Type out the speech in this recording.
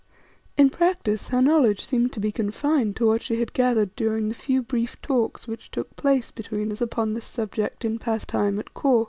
In practice her knowledge seemed to be confined to what she had gathered during the few brief talks which took place between us upon this subject in past time at Kôr.